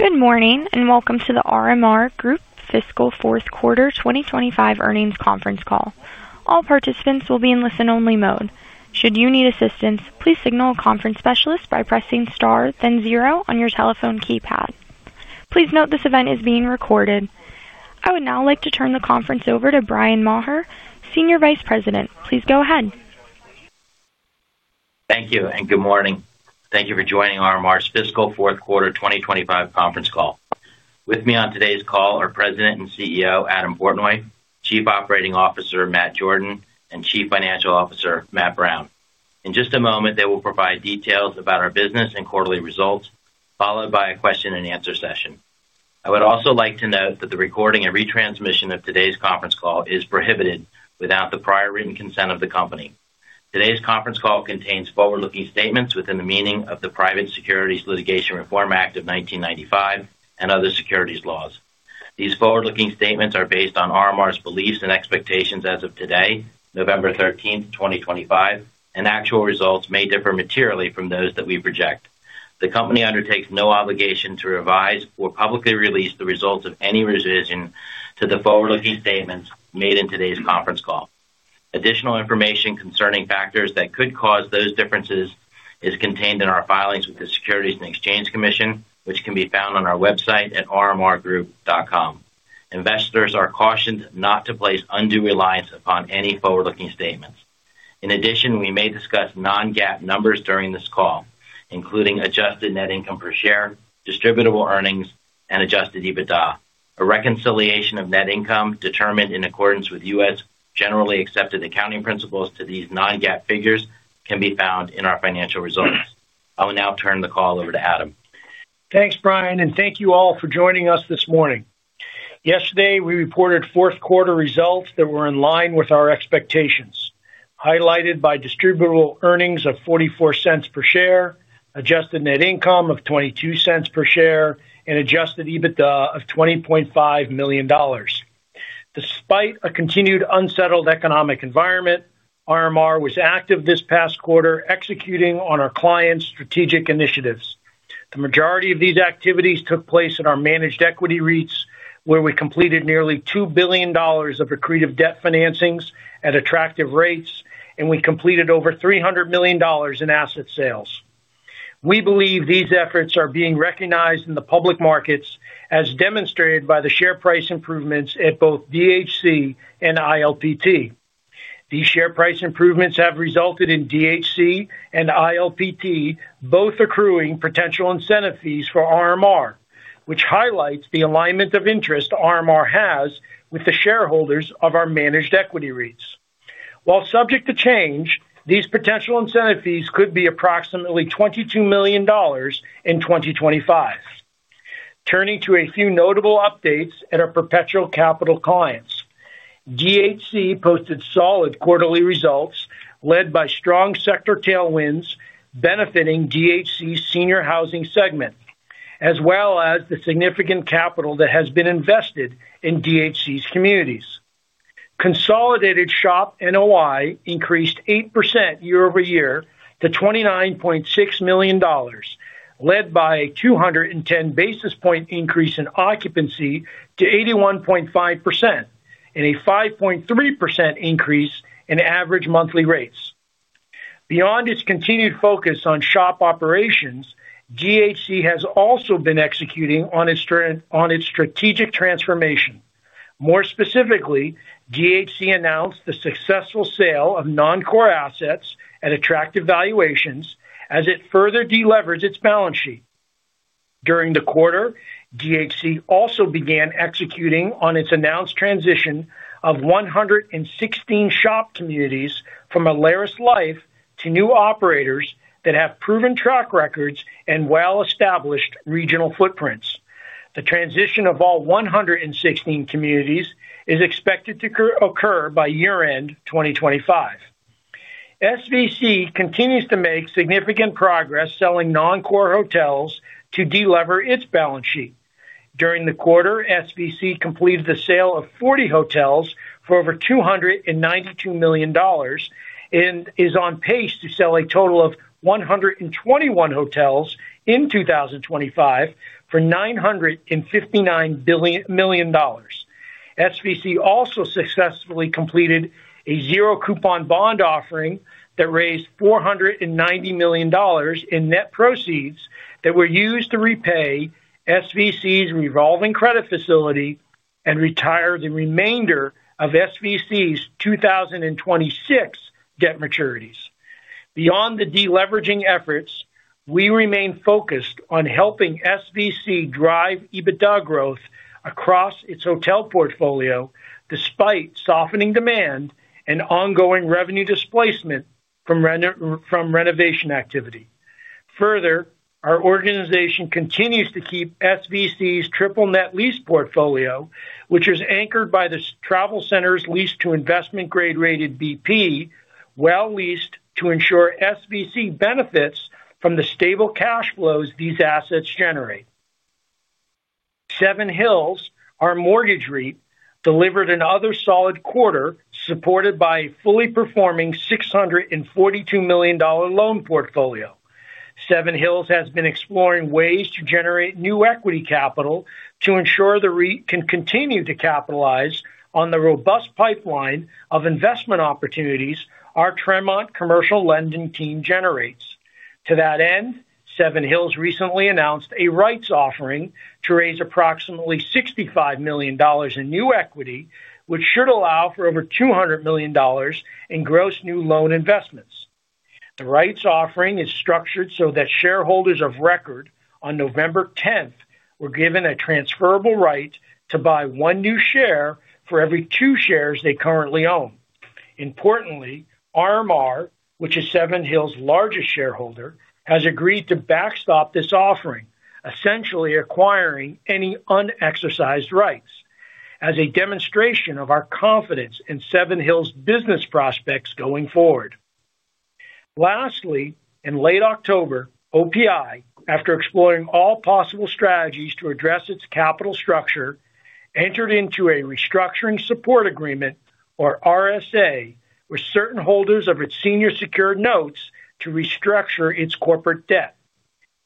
Good morning and welcome to The RMR Group fiscal fourth quarter 2025 earnings conference call. All participants will be in listen-only mode. Should you need assistance, please signal a conference specialist by pressing star, then zero on your telephone keypad. Please note this event is being recorded. I would now like to turn the conference over to Bryan Maher, Senior Vice President. Please go ahead. Thank you and good morning. Thank you for joining RMR's fiscal fourth quarter 2025 conference call. With me on today's call are President and CEO Adam Portnoy, Chief Operating Officer Matt Jordan, and Chief Financial Officer Matt Brown. In just a moment, they will provide details about our business and quarterly results, followed by a question-and-answer session. I would also like to note that the recording and retransmission of today's conference call is prohibited without the prior written consent of the company. Today's conference call contains forward-looking statements within the meaning of the Private Securities Litigation Reform Act of 1995 and other securities laws. These forward-looking statements are based on RMR's beliefs and expectations as of today, November 13th, 2025, and actual results may differ materially from those that we project. The company undertakes no obligation to revise or publicly release the results of any revision to the forward-looking statements made in today's conference call. Additional information concerning factors that could cause those differences is contained in our filings with the Securities and Exchange Commission, which can be found on our website at rmrgroup.com. Investors are cautioned not to place undue reliance upon any forward-looking statements. In addition, we may discuss non-GAAP numbers during this call, including adjusted net income per share, distributable earnings, and adjusted EBITDA. A reconciliation of net income determined in accordance with U.S. generally accepted accounting principles to these non-GAAP figures can be found in our financial results. I will now turn the call over to Adam. Thanks, Bryan, and thank you all for joining us this morning. Yesterday, we reported fourth-quarter results that were in line with our expectations, highlighted by distributable earnings of $0.44 per share, adjusted net income of $0.22 per share, and adjusted EBITDA of $20.5 million. Despite a continued unsettled economic environment, RMR was active this past quarter, executing on our clients' strategic initiatives. The majority of these activities took place in our managed equity REITs, where we completed nearly $2 billion of accretive debt financings at attractive rates, and we completed over $300 million in asset sales. We believe these efforts are being recognized in the public markets, as demonstrated by the share price improvements at both DHC and ILPT. These share price improvements have resulted in DHC and ILPT both accruing potential incentive fees for RMR, which highlights the alignment of interest RMR has with the shareholders of our managed equity REITs. While subject to change, these potential incentive fees could be approximately $22 million in 2025. Turning to a few notable updates at our perpetual capital clients, DHC posted solid quarterly results led by strong sector tailwinds benefiting DHC's senior housing segment, as well as the significant capital that has been invested in DHC's communities. Consolidated shop NOI increased 8% year-over-year to $29.6 million, led by a 210 basis point increase in occupancy to 81.5% and a 5.3% increase in average monthly rates. Beyond its continued focus on shop operations, DHC has also been executing on its strategic transformation. More specifically, DHC announced the successful sale of non-core assets at attractive valuations, as it further deleverages its balance sheet. During the quarter, DHC also began executing on its announced transition of 116 SHOP communities from AlerisLife to new operators that have proven track records and well-established regional footprints. The transition of all 116 communities is expected to occur by year-end 2025. SVC continues to make significant progress selling non-core hotels to deleverage its balance sheet. During the quarter, SVC completed the sale of 40 hotels for over $292 million and is on pace to sell a total of 121 hotels in 2025 for $959 million. SVC also successfully completed a zero-coupon bond offering that raised $490 million in net proceeds that were used to repay SVC's revolving credit facility and retire the remainder of SVC's 2026 debt maturities. Beyond the deleveraging efforts, we remain focused on helping SVC drive EBITDA growth across its hotel portfolio, despite softening demand and ongoing revenue displacement from renovation activity. Further, our organization continues to keep SVC's triple-net lease portfolio, which is anchored by the TravelCenters lease to investment-grade rated BP, well-leased to ensure SVC benefits from the stable cash flows these assets generate. Seven Hills, our mortgage REIT, delivered another solid quarter supported by a fully performing $642 million loan portfolio. Seven Hills has been exploring ways to generate new equity capital to ensure the REIT can continue to capitalize on the robust pipeline of investment opportunities our Tremont commercial lending team generates. To that end, Seven Hills recently announced a rights offering to raise approximately $65 million in new equity, which should allow for over $200 million in gross new loan investments. The rights offering is structured so that shareholders of record on November 10th were given a transferable right to buy one new share for every two shares they currently own. Importantly, RMR, which is Seven Hills' largest shareholder, has agreed to backstop this offering, essentially acquiring any unexercised rights as a demonstration of our confidence in Seven Hills' business prospects going forward. Lastly, in late October, OPI, after exploring all possible strategies to address its capital structure, entered into a restructuring support agreement, or RSA, with certain holders of its senior secured notes to restructure its corporate debt.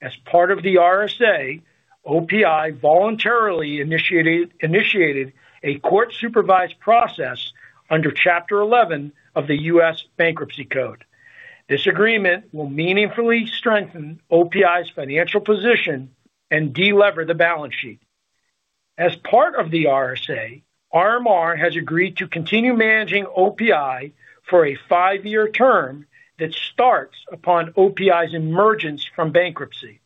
As part of the RSA, OPI voluntarily initiated a court-supervised process under Chapter 11 of the U.S. Bankruptcy Code. This agreement will meaningfully strengthen OPI's financial position and deleverage the balance sheet. As part of the RSA, RMR has agreed to continue managing OPI for a five-year term that starts upon OPI's emergence from bankruptcy.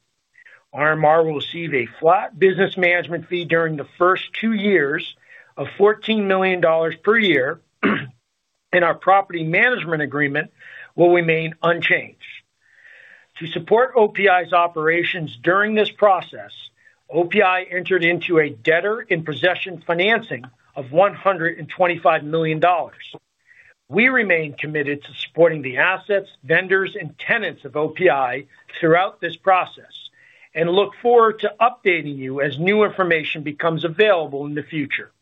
RMR will receive a flat business management fee during the first two years of $14 million per year, and our property management agreement will remain unchanged. To support OPI's operations during this process, OPI entered into a debtor-in-possession financing of $125 million. We remain committed to supporting the assets, vendors, and tenants of OPI throughout this process and look forward to updating you as new information becomes available in the future.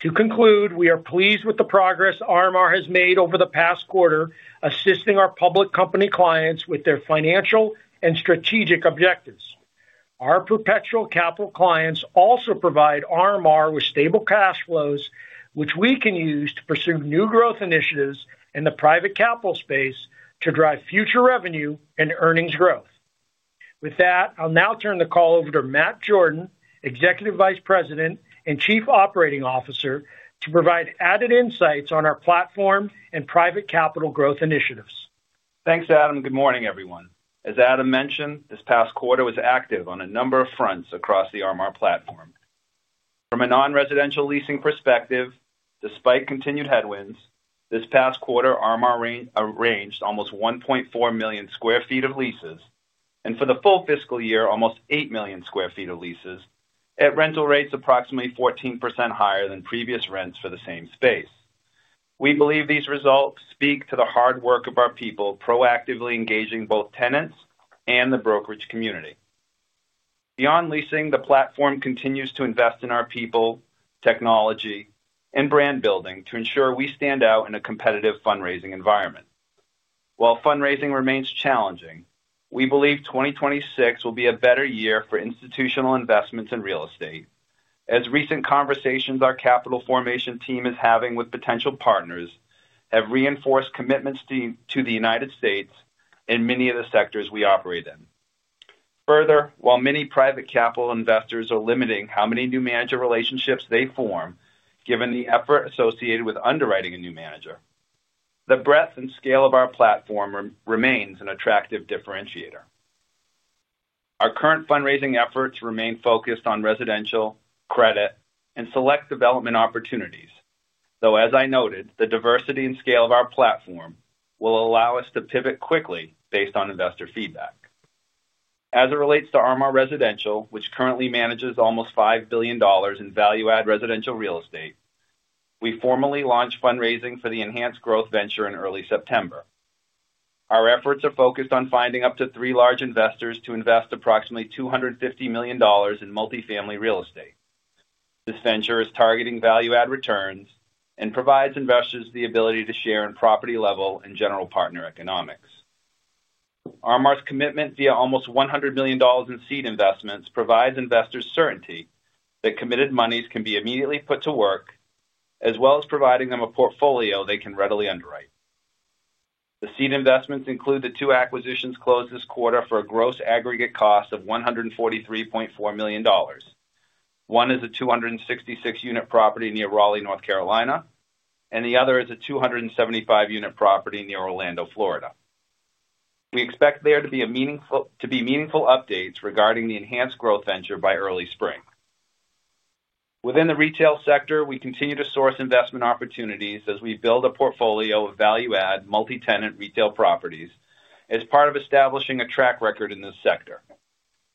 To conclude, we are pleased with the progress RMR has made over the past quarter, assisting our public company clients with their financial and strategic objectives. Our perpetual capital clients also provide RMR with stable cash flows, which we can use to pursue new growth initiatives in the private capital space to drive future revenue and earnings growth. With that, I'll now turn the call over to Matt Jordan, Executive Vice President and Chief Operating Officer, to provide added insights on our platform and private capital growth initiatives. Thanks, Adam. Good morning, everyone. As Adam mentioned, this past quarter was active on a number of fronts across the RMR platform. From a non-residential leasing perspective, despite continued headwinds, this past quarter, RMR arranged almost 1.4 million sq ft of leases, and for the full fiscal year, almost 8 million sq ft of leases at rental rates approximately 14% higher than previous rents for the same space. We believe these results speak to the hard work of our people proactively engaging both tenants and the brokerage community. Beyond leasing, the platform continues to invest in our people, technology, and brand building to ensure we stand out in a competitive fundraising environment. While fundraising remains challenging, we believe 2026 will be a better year for institutional investments in real estate, as recent conversations our capital formation team is having with potential partners have reinforced commitments to the United States and many of the sectors we operate in. Further, while many private capital investors are limiting how many new manager relationships they form, given the effort associated with underwriting a new manager, the breadth and scale of our platform remains an attractive differentiator. Our current fundraising efforts remain focused on residential, credit, and select development opportunities, though, as I noted, the diversity and scale of our platform will allow us to pivot quickly based on investor feedback. As it relates to RMR Residential, which currently manages almost $5 billion in value-add residential real estate, we formally launched fundraising for the Enhanced Growth venture in early September. Our efforts are focused on finding up to three large investors to invest approximately $250 million in multifamily real estate. This venture is targeting value-add returns and provides investors the ability to share in property level and general partner economics. RMR's commitment via almost $100 million in seed investments provides investors certainty that committed monies can be immediately put to work, as well as providing them a portfolio they can readily underwrite. The seed investments include the two acquisitions closed this quarter for a gross aggregate cost of $143.4 million. One is a 266-unit property near Raleigh, North Carolina, and the other is a 275-unit property near Orlando, Florida. We expect there to be meaningful updates regarding the Enhanced Growth venture by early spring. Within the retail sector, we continue to source investment opportunities as we build a portfolio of value-add multi-tenant retail properties as part of establishing a track record in this sector.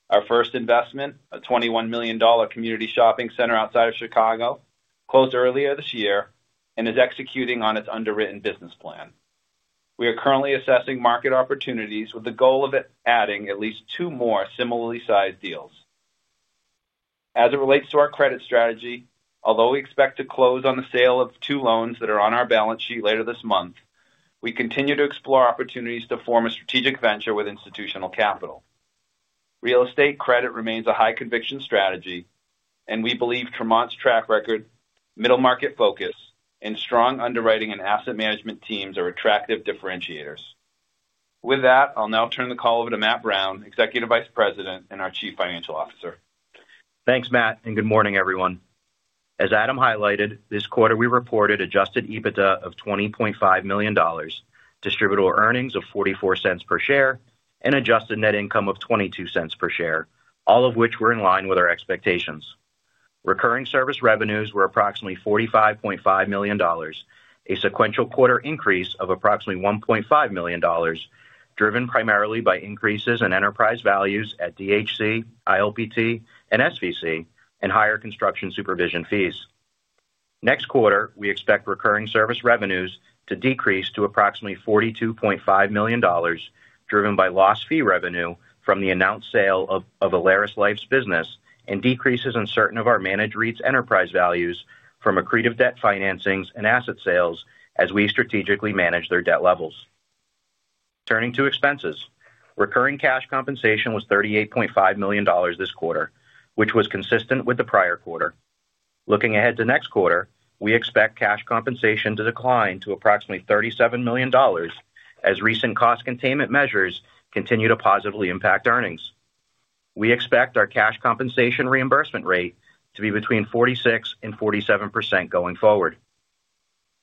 Our first investment, a $21 million community shopping center outside of Chicago, closed earlier this year and is executing on its underwritten business plan. We are currently assessing market opportunities with the goal of adding at least two more similarly sized deals. As it relates to our credit strategy, although we expect to close on the sale of two loans that are on our balance sheet later this month, we continue to explore opportunities to form a strategic venture with institutional capital. Real estate credit remains a high-conviction strategy, and we believe Tremont's track record, middle market focus, and strong underwriting and asset management teams are attractive differentiators. With that, I'll now turn the call over to Matt Brown, Executive Vice President and our Chief Financial Officer. Thanks, Matt, and good morning, everyone. As Adam highlighted, this quarter we reported adjusted EBITDA of $20.5 million, distributable earnings of $0.44 per share, and adjusted net income of $0.22 per share, all of which were in line with our expectations. Recurring service revenues were approximately $45.5 million, a sequential quarter increase of approximately $1.5 million, driven primarily by increases in enterprise values at DHC, ILPT, and SVC, and higher construction supervision fees. Next quarter, we expect recurring service revenues to decrease to approximately $42.5 million, driven by lost fee revenue from the announced sale of a life science business and decreases in certain of our managed REITs enterprise values from accretive debt financings and asset sales as we strategically manage their debt levels. Turning to expenses, recurring cash compensation was $38.5 million this quarter, which was consistent with the prior quarter. Looking ahead to next quarter, we expect cash compensation to decline to approximately $37 million as recent cost containment measures continue to positively impact earnings. We expect our cash compensation reimbursement rate to be between 46% and 47% going forward.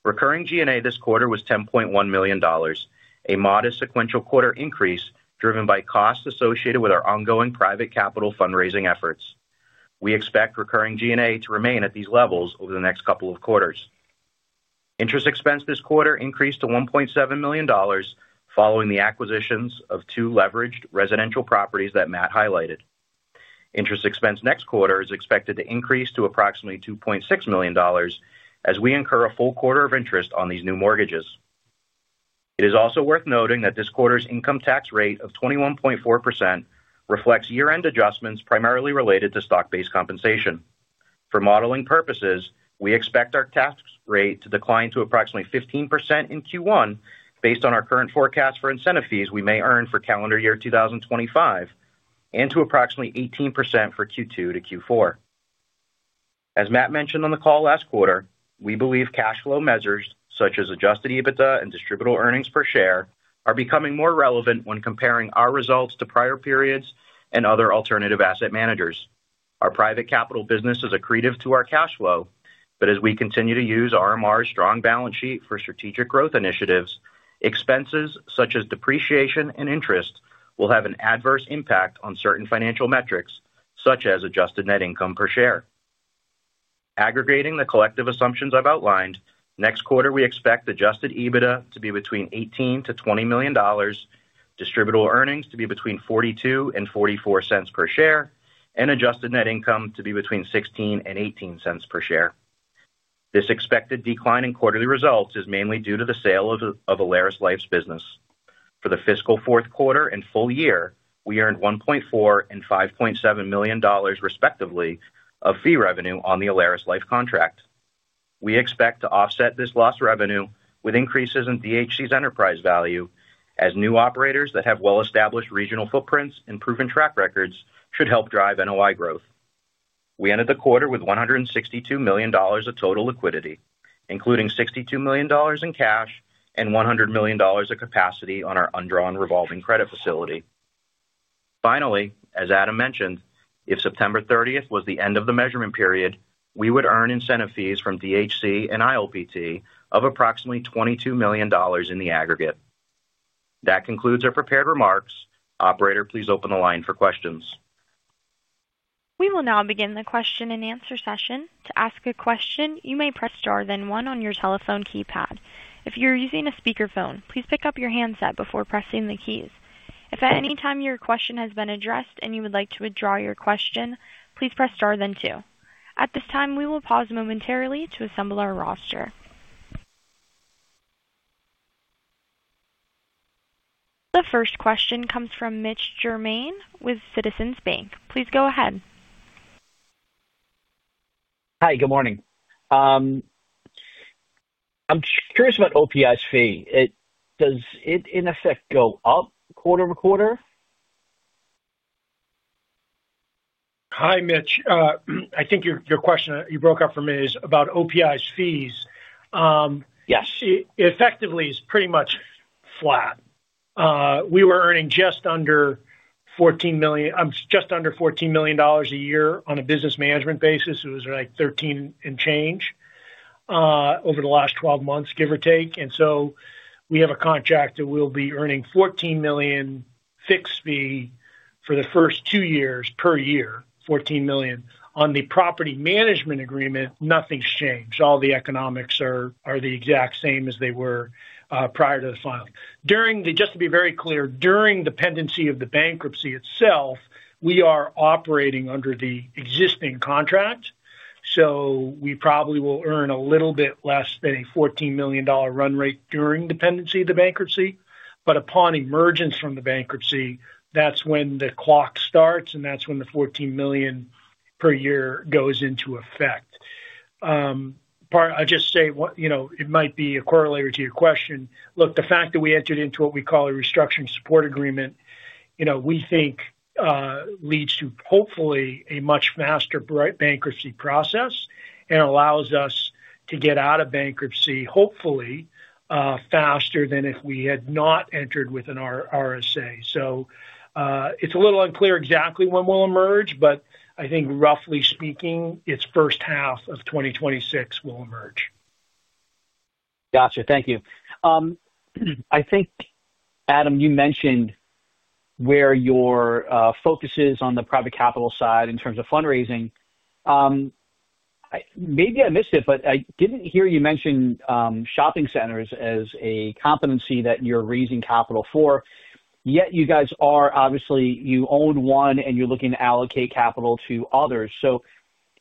Recurring G&A this quarter was $10.1 million, a modest sequential quarter increase driven by costs associated with our ongoing private capital fundraising efforts. We expect recurring G&A to remain at these levels over the next couple of quarters. Interest expense this quarter increased to $1.7 million following the acquisitions of two leveraged residential properties that Matt highlighted. Interest expense next quarter is expected to increase to approximately $2.6 million as we incur a full quarter of interest on these new mortgages. It is also worth noting that this quarter's income tax rate of 21.4% reflects year-end adjustments primarily related to stock-based compensation. For modeling purposes, we expect our tax rate to decline to approximately 15% in Q1 based on our current forecast for incentive fees we may earn for calendar year 2025 and to approximately 18% for Q2-Q4. As Matt mentioned on the call last quarter, we believe cash flow measures such as adjusted EBITDA and distributable earnings per share are becoming more relevant when comparing our results to prior periods and other alternative asset managers. Our private capital business is accretive to our cash flow, but as we continue to use RMR's strong balance sheet for strategic growth initiatives, expenses such as depreciation and interest will have an adverse impact on certain financial metrics such as adjusted net income per share. Aggregating the collective assumptions I've outlined, next quarter we expect adjusted EBITDA to be between $18 miilion-$20 million, distributable earnings to be between $0.42-$0.44 per share, and adjusted net income to be between $0.16-$0.18 per share. This expected decline in quarterly results is mainly due to the sale of a AlerisLife's business. For the fiscal fourth quarter and full year, we earned $1.4 and $5.7 million respectively of fee revenue on the AlerisLife contract. We expect to offset this lost revenue with increases in DHC's enterprise value as new operators that have well-established regional footprints and proven track records should help drive NOI growth. We ended the quarter with $162 million of total liquidity, including $62 million in cash and $100 million of capacity on our undrawn revolving credit facility. Finally, as Adam mentioned, if September 30 was the end of the measurement period, we would earn incentive fees from DHC and ILPT of approximately $22 million in the aggregate. That concludes our prepared remarks. Operator, please open the line for questions. We will now begin the question and answer session. To ask a question, you may press star then one on your telephone keypad. If you're using a speakerphone, please pick up your handset before pressing the keys. If at any time your question has been addressed and you would like to withdraw your question, please press star then two. At this time, we will pause momentarily to assemble our roster. The first question comes from Mitch Germain with Citizens Bank. Please go ahead. Hi, good morning. I'm curious about OPI's fee. Does it, in effect, go up quarter to quarter? Hi, Mitch. I think your question that you broke up for me is about OPI's fees. Yes. Effectively, it's pretty much flat. We were earning just under $14 million a year on a business management basis. It was like $13 and change over the last 12 months, give or take. We have a contract that we'll be earning $14 million fixed fee for the first two years per year, $14 million. On the property management agreement, nothing's changed. All the economics are the exact same as they were prior to the filing. Just to be very clear, during the pendency of the bankruptcy itself, we are operating under the existing contract. We probably will earn a little bit less than a $14 million run rate during the pendency of the bankruptcy. Upon emergence from the bankruptcy, that's when the clock starts, and that's when the $14 million per year goes into effect. I'll just say it might be a correlator to your question. Look, the fact that we entered into what we call a restructuring support agreement, we think leads to hopefully a much faster bankruptcy process and allows us to get out of bankruptcy, hopefully, faster than if we had not entered with an RSA. It is a little unclear exactly when we will emerge, but I think, roughly speaking, it is first half of 2026 we will emerge. Gotcha. Thank you. I think, Adam, you mentioned where your focus is on the private capital side in terms of fundraising. Maybe I missed it, but I did not hear you mention shopping centers as a competency that you are raising capital for. Yet you guys are, obviously, you own one and you are looking to allocate capital to others.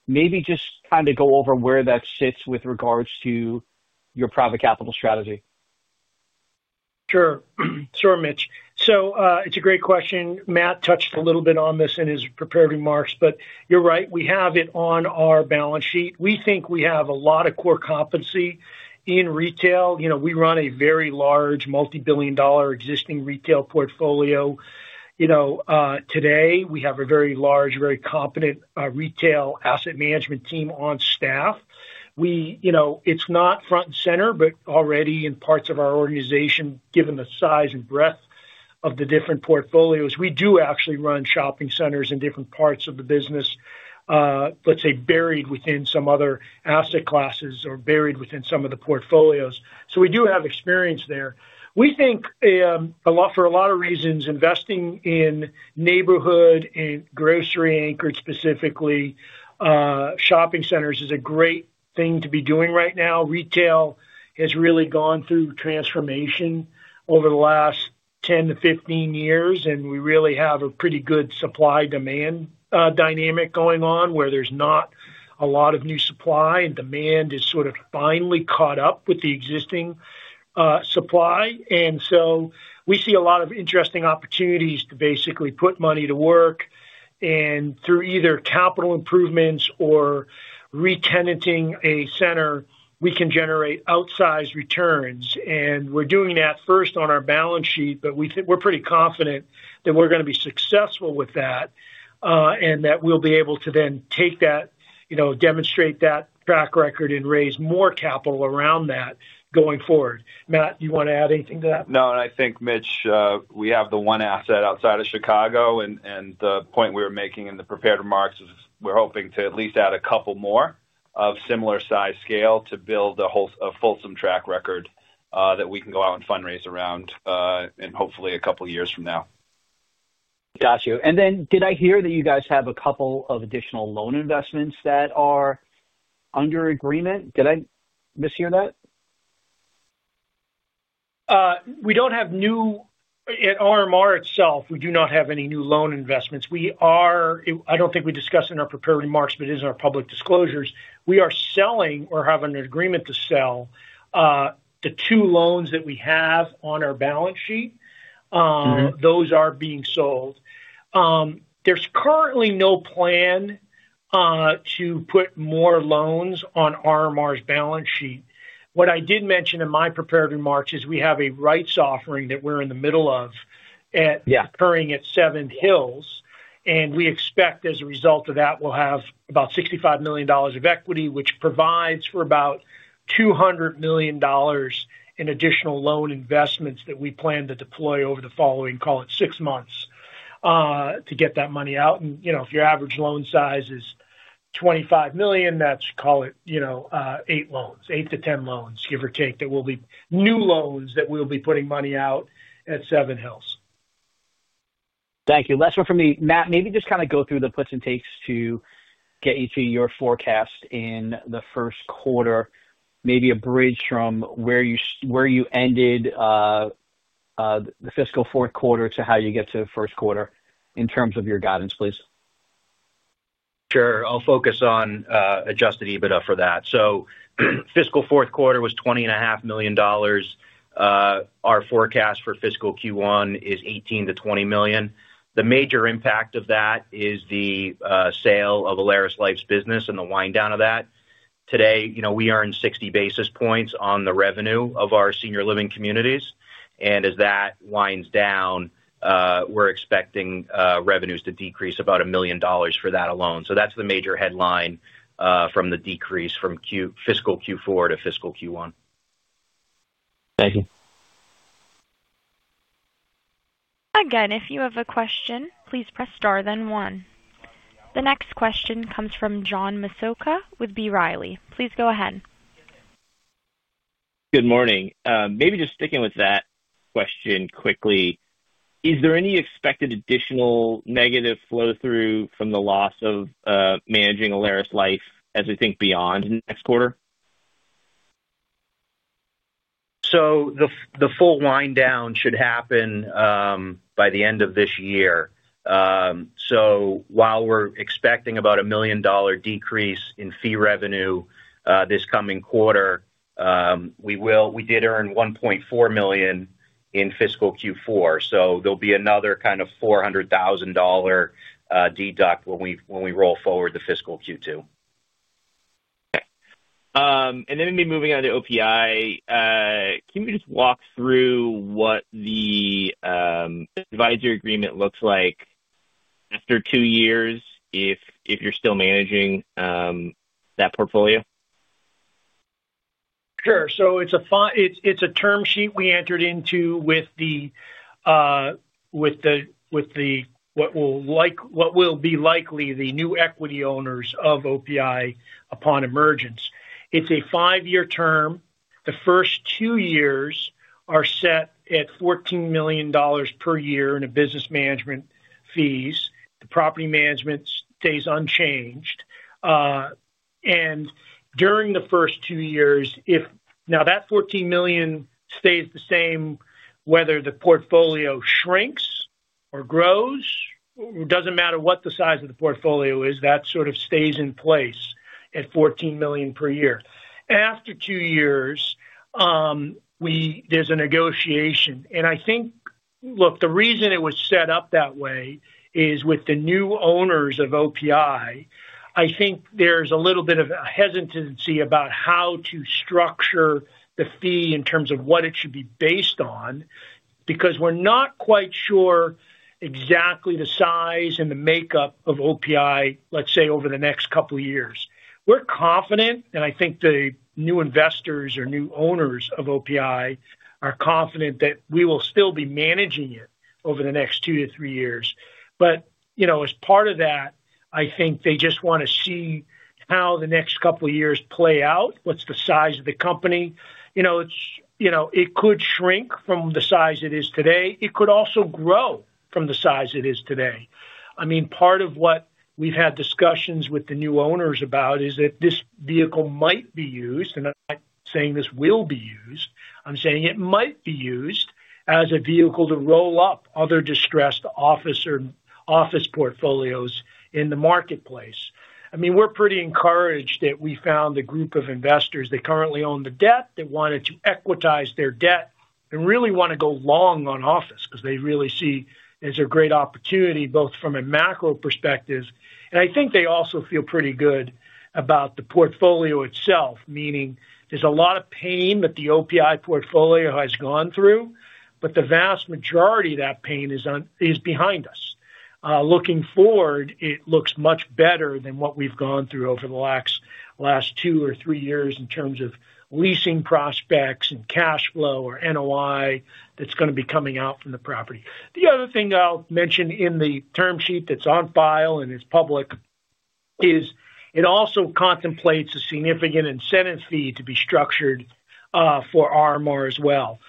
Maybe just kind of go over where that sits with regards to your private capital strategy. Sure. Sure, Mitch. It's a great question. Matt touched a little bit on this in his prepared remarks, but you're right. We have it on our balance sheet. We think we have a lot of core competency in retail. We run a very large multi-billion dollar existing retail portfolio. Today, we have a very large, very competent retail asset management team on staff. It's not front and center, but already in parts of our organization, given the size and breadth of the different portfolios, we do actually run shopping centers in different parts of the business, let's say, buried within some other asset classes or buried within some of the portfolios. We do have experience there. We think, for a lot of reasons, investing in neighborhood and grocery anchored specifically shopping centers is a great thing to be doing right now. Retail has really gone through transformation over the last 10-15 years, and we really have a pretty good supply-demand dynamic going on where there's not a lot of new supply, and demand has sort of finally caught up with the existing supply. We see a lot of interesting opportunities to basically put money to work. Through either capital improvements or re-tenanting a center, we can generate outsized returns. We're doing that first on our balance sheet, but we're pretty confident that we're going to be successful with that and that we'll be able to then take that, demonstrate that track record, and raise more capital around that going forward. Matt, do you want to add anything to that? No, and I think, Mitch, we have the one asset outside of Chicago. The point we were making in the prepared remarks is we're hoping to at least add a couple more of similar size scale to build a wholesome track record that we can go out and fundraise around in hopefully a couple of years from now. Gotcha. Did I hear that you guys have a couple of additional loan investments that are under agreement? Did I mishear that? We do not have new at RMR itself. We do not have any new loan investments. I do not think we discussed in our prepared remarks, but it is in our public disclosures. We are selling or have an agreement to sell the two loans that we have on our balance sheet. Those are being sold. There is currently no plan to put more loans on RMR's balance sheet. What I did mention in my prepared remarks is we have a rights offering that we are in the middle of occurring at Seven Hills. We expect, as a result of that, we will have about $65 million of equity, which provides for about $200 million in additional loan investments that we plan to deploy over the following, call it, six months to get that money out. If your average loan size is $25 million, that's, call it, eight loans, eight to ten loans, give or take, that will be new loans that we'll be putting money out at Seven Hills. Thank you. Last one from me. Matt, maybe just kind of go through the puts and takes to get you to your forecast in the first quarter, maybe a bridge from where you ended the fiscal fourth quarter to how you get to the first quarter in terms of your guidance, please. Sure. I'll focus on adjusted EBITDA for that. Fiscal fourth quarter was $20.5 million. Our forecast for fiscal Q1 is $18 million-$20 million. The major impact of that is the sale of a AlerisLife's business and the wind down of that. Today, we earned 60 basis points on the revenue of our senior living communities. As that winds down, we're expecting revenues to decrease about $1 million for that alone. That's the major headline from the decrease from fiscal Q4 to fiscal Q1. Thank you. Again, if you have a question, please press star then one. The next question comes from John Massocca with B. Riley. Please go ahead. Good morning. Maybe just sticking with that question quickly, is there any expected additional negative flow-through from the loss of managing AlerisLife as we think beyond next quarter? The full wind down should happen by the end of this year. While we're expecting about a $1 million decrease in fee revenue this coming quarter, we did earn $1.4 million in fiscal Q4. There will be another kind of $400,000 deduct when we roll forward to fiscal Q2. Okay. And then we'll be moving on to OPI. Can you just walk through what the advisory agreement looks like after two years if you're still managing that portfolio? Sure. So it's a term sheet we entered into with what will be likely the new equity owners of OPI upon emergence. It's a five-year term. The first two years are set at $14 million per year in business management fees. The property management stays unchanged. During the first two years, that $14 million stays the same, whether the portfolio shrinks or grows, it doesn't matter what the size of the portfolio is, that sort of stays in place at $14 million per year. After two years, there's a negotiation. I think, look, the reason it was set up that way is with the new owners of OPI, I think there's a little bit of a hesitancy about how to structure the fee in terms of what it should be based on because we're not quite sure exactly the size and the makeup of OPI, let's say, over the next couple of years. We're confident, and I think the new investors or new owners of OPI are confident that we will still be managing it over the next two to three years. As part of that, I think they just want to see how the next couple of years play out, what's the size of the company. It could shrink from the size it is today. It could also grow from the size it is today. I mean, part of what we've had discussions with the new owners about is that this vehicle might be used, and I'm not saying this will be used. I'm saying it might be used as a vehicle to roll up other distressed office portfolios in the marketplace. I mean, we're pretty encouraged that we found a group of investors that currently own the debt that wanted to equitize their debt and really want to go long on office because they really see it as a great opportunity both from a macro perspective. I think they also feel pretty good about the portfolio itself, meaning there's a lot of pain that the OPI portfolio has gone through, but the vast majority of that pain is behind us. Looking forward, it looks much better than what we've gone through over the last two or three years in terms of leasing prospects and cash flow or NOI that's going to be coming out from the property. The other thing I'll mention in the term sheet that's on file and it's public is it also contemplates a significant incentive fee to be structured for RMR as well.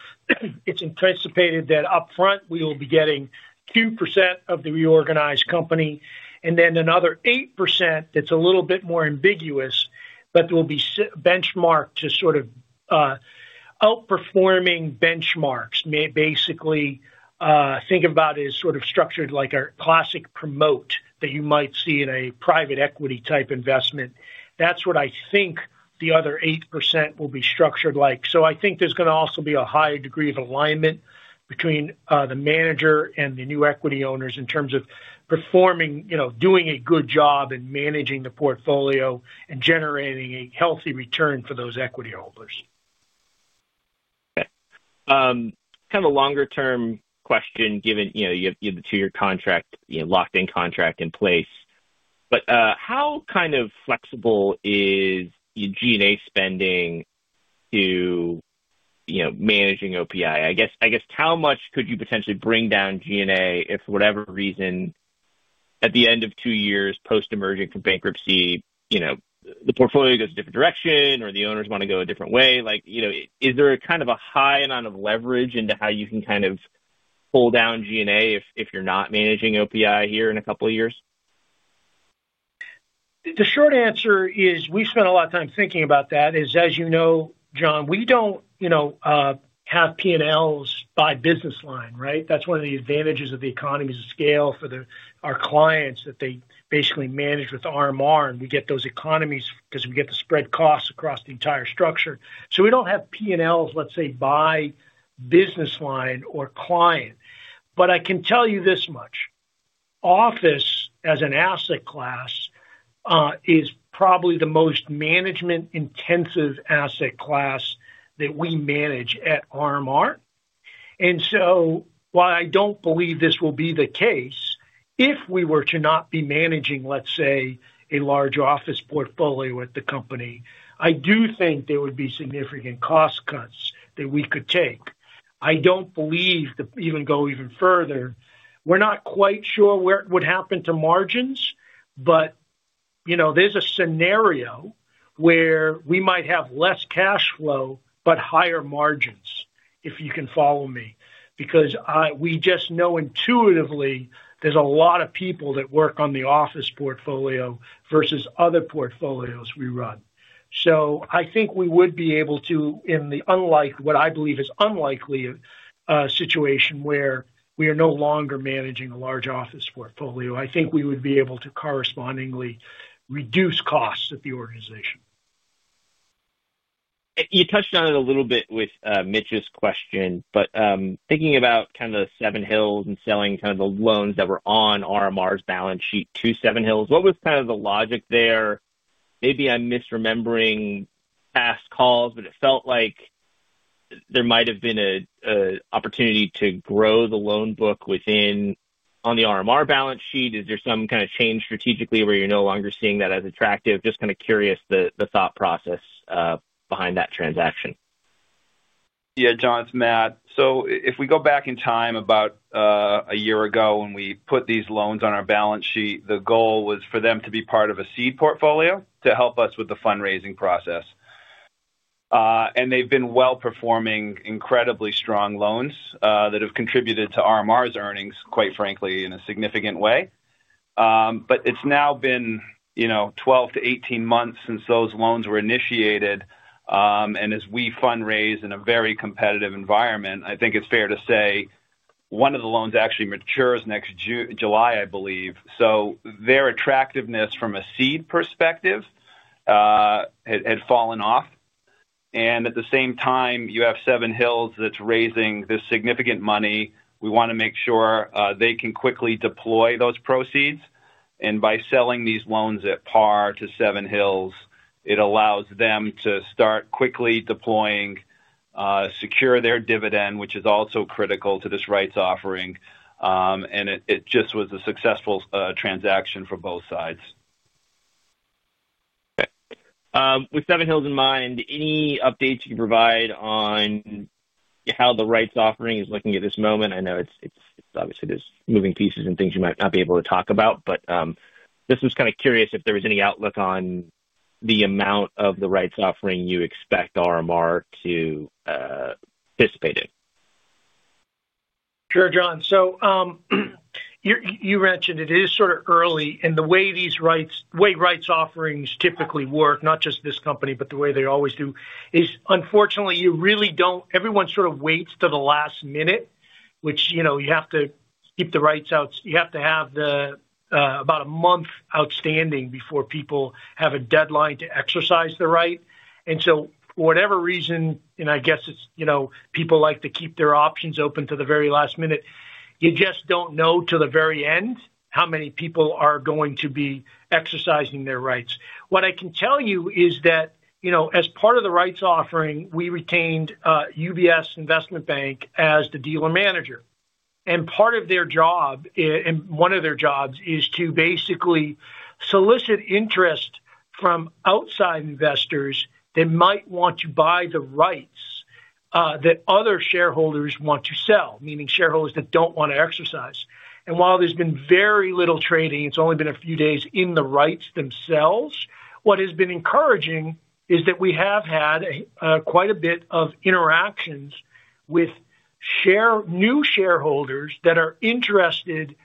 It's anticipated that upfront, we will be getting 2% of the reorganized company and then another 8% that's a little bit more ambiguous, but will be benchmarked to sort of outperforming benchmarks. Basically, think about it as sort of structured like a classic promote that you might see in a private equity type investment. That's what I think the other 8% will be structured like. I think there's going to also be a higher degree of alignment between the manager and the new equity owners in terms of performing, doing a good job in managing the portfolio and generating a healthy return for those equity holders. Okay. Kind of a longer-term question given you have the two-year contract, locked-in contract in place. But how kind of flexible is G&A spending to managing OPI? I guess how much could you potentially bring down G&A if, for whatever reason, at the end of two years post-emergence from bankruptcy, the portfolio goes a different direction or the owners want to go a different way? Is there kind of a high amount of leverage into how you can kind of pull down G&A if you're not managing OPI here in a couple of years? The short answer is we spent a lot of time thinking about that is, as you know, John, we do not have P&Ls by business line, right? That is one of the advantages of the economies of scale for our clients that they basically manage with RMR, and we get those economies because we get the spread costs across the entire structure. We do not have P&Ls, let's say, by business line or client. I can tell you this much. Office, as an asset class, is probably the most management-intensive asset class that we manage at RMR. While I do not believe this will be the case, if we were to not be managing, let's say, a large office portfolio at the company, I do think there would be significant cost cuts that we could take. I do not believe to even go even further. We're not quite sure what would happen to margins, but there's a scenario where we might have less cash flow but higher margins, if you can follow me, because we just know intuitively there's a lot of people that work on the office portfolio versus other portfolios we run. I think we would be able to, in what I believe is an unlikely situation where we are no longer managing a large office portfolio, I think we would be able to correspondingly reduce costs at the organization. You touched on it a little bit with Mitch's question, but thinking about kind of Seven Hills and selling kind of the loans that were on RMR's balance sheet to Seven Hills, what was kind of the logic there? Maybe I'm misremembering past calls, but it felt like there might have been an opportunity to grow the loan book within on the RMR balance sheet. Is there some kind of change strategically where you're no longer seeing that as attractive? Just kind of curious the thought process behind that transaction. Yeah, John, it's Matt. If we go back in time about a year ago when we put these loans on our balance sheet, the goal was for them to be part of a seed portfolio to help us with the fundraising process. They've been well-performing, incredibly strong loans that have contributed to RMR's earnings, quite frankly, in a significant way. It has now been 12-18 months since those loans were initiated. As we fundraise in a very competitive environment, I think it's fair to say one of the loans actually matures next July, I believe. Their attractiveness from a seed perspective had fallen off. At the same time, you have Seven Hills that's raising this significant money. We want to make sure they can quickly deploy those proceeds. By selling these loans at par to Seven Hills, it allows them to start quickly deploying, secure their dividend, which is also critical to this rights offering. It just was a successful transaction for both sides. Okay. With Seven Hills in mind, any updates you can provide on how the rights offering is looking at this moment? I know it's obviously there's moving pieces and things you might not be able to talk about, but just was kind of curious if there was any outlook on the amount of the rights offering you expect RMR to participate in. Sure, John. You mentioned it is sort of early. The way rights offerings typically work, not just this company, but the way they always do, is unfortunately, you really don't—everyone sort of waits to the last minute, which you have to keep the rights out. You have to have about a month outstanding before people have a deadline to exercise the right. For whatever reason, I guess people like to keep their options open to the very last minute, you just don't know to the very end how many people are going to be exercising their rights. What I can tell you is that as part of the rights offering, we retained UBS Investment Bank as the dealer manager. Part of their job, and one of their jobs, is to basically solicit interest from outside investors that might want to buy the rights that other shareholders want to sell, meaning shareholders that do not want to exercise. While there has been very little trading, it has only been a few days in the rights themselves, what has been encouraging is that we have had quite a bit of interactions with new shareholders that are interested in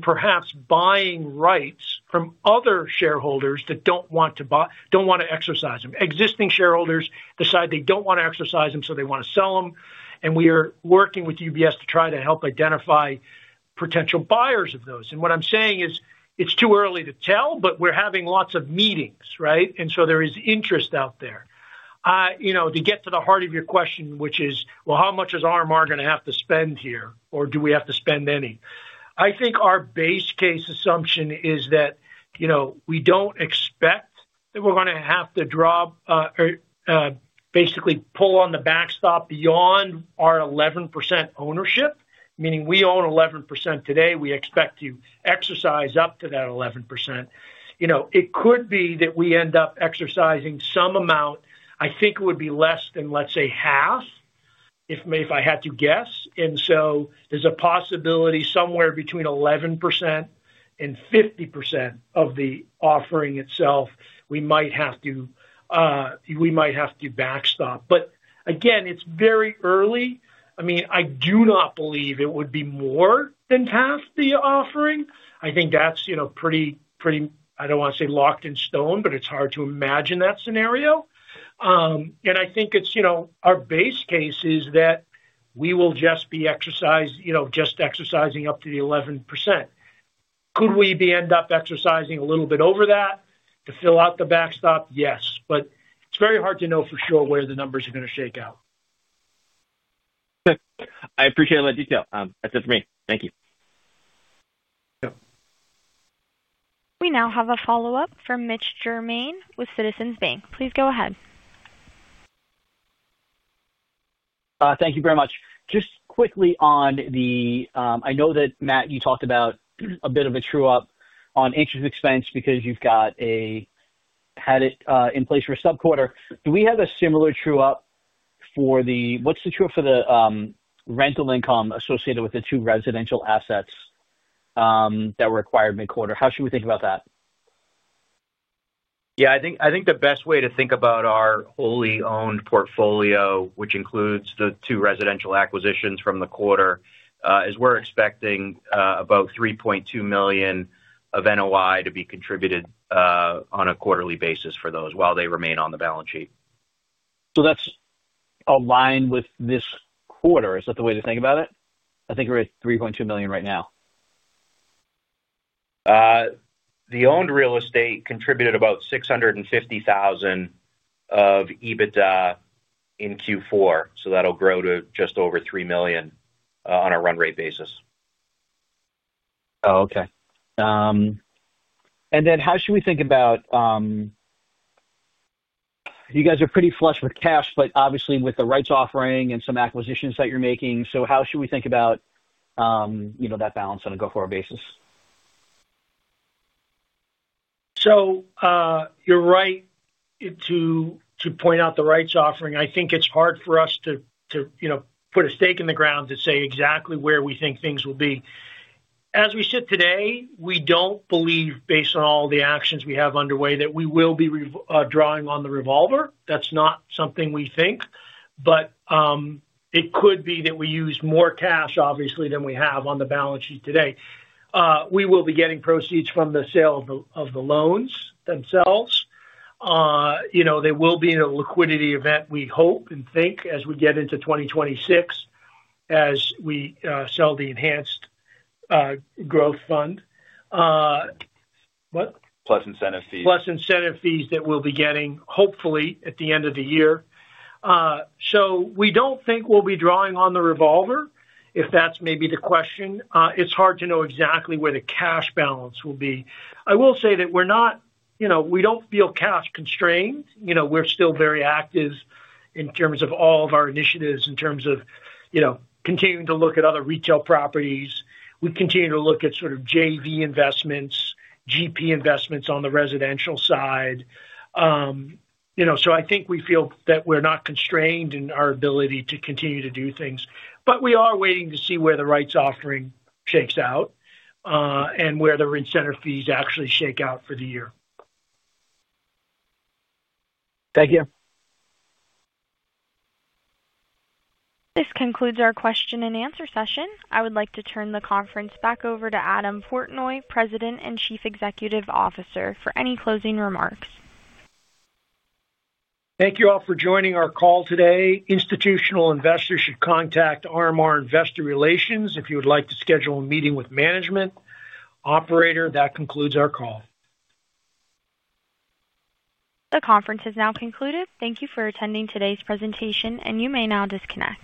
perhaps buying rights from other shareholders that do not want to exercise them. Existing shareholders decide they do not want to exercise them, so they want to sell them. We are working with UBS to try to help identify potential buyers of those. What I am saying is it is too early to tell, but we are having lots of meetings, right? There is interest out there. To get to the heart of your question, which is, how much is RMR going to have to spend here, or do we have to spend any? I think our base case assumption is that we do not expect that we are going to have to basically pull on the backstop beyond our 11% ownership, meaning we own 11% today. We expect to exercise up to that 11%. It could be that we end up exercising some amount. I think it would be less than, let's say, half, if I had to guess. There is a possibility somewhere between 11% and 50% of the offering itself, we might have to backstop. Again, it is very early. I do not believe it would be more than half the offering. I think that is pretty, I do not want to say locked in stone, but it is hard to imagine that scenario. I think our base case is that we will just be exercising up to the 11%. Could we end up exercising a little bit over that to fill out the backstop? Yes. It is very hard to know for sure where the numbers are going to shake out. Okay. I appreciate all that detail. That's it for me. Thank you. Yep. We now have a follow-up from Mitch Germain with Citizens Bank. Please go ahead. Thank you very much. Just quickly on the, I know that, Matt, you talked about a bit of a true-up on interest expense because you had it in place for a subquarter. Do we have a similar true-up for the, what's the true-up for the rental income associated with the two residential assets that were acquired mid-quarter? How should we think about that? Yeah. I think the best way to think about our wholly owned portfolio, which includes the two residential acquisitions from the quarter, is we're expecting about $3.2 million of NOI to be contributed on a quarterly basis for those while they remain on the balance sheet. That's aligned with this quarter. Is that the way to think about it? I think we're at $3.2 million right now. The owned real estate contributed about $650,000 of EBITDA in Q4, so that'll grow to just over $3 million on a run rate basis. Oh, okay. How should we think about you guys are pretty flush with cash, but obviously with the rights offering and some acquisitions that you're making? How should we think about that balance on a go-forward basis? You're right to point out the rights offering. I think it's hard for us to put a stake in the ground to say exactly where we think things will be. As we sit today, we don't believe, based on all the actions we have underway, that we will be drawing on the revolver. That's not something we think. It could be that we use more cash, obviously, than we have on the balance sheet today. We will be getting proceeds from the sale of the loans themselves. There will be a liquidity event, we hope and think, as we get into 2026, as we sell the enhanced growth fund. What? Plus incentive fees. Plus incentive fees that we'll be getting, hopefully, at the end of the year. We don't think we'll be drawing on the revolver, if that's maybe the question. It's hard to know exactly where the cash balance will be. I will say that we're not, we don't feel cash constrained. We're still very active in terms of all of our initiatives in terms of continuing to look at other retail properties. We continue to look at sort of JV investments, GP investments on the residential side. I think we feel that we're not constrained in our ability to continue to do things. We are waiting to see where the rights offering shakes out and where the incentive fees actually shake out for the year. Thank you. This concludes our question and answer session. I would like to turn the conference back over to Adam Portnoy, President and Chief Executive Officer, for any closing remarks. Thank you all for joining our call today. Institutional investors should contact RMR Investor Relations if you would like to schedule a meeting with management. Operator, that concludes our call. The conference has now concluded. Thank you for attending today's presentation, and you may now disconnect.